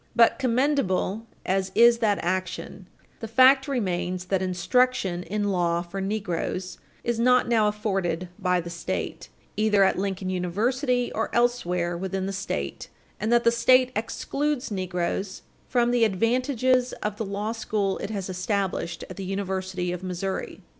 But, commendable as is that action, the fact remains that instruction in law for negroes is not now afforded by the State, either at Lincoln University or elsewhere within the State, and that the State excludes negroes from the advantages of the law school it has established at the University of Missouri.